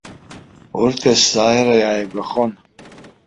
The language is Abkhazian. Урҭ есааира иааигәахон.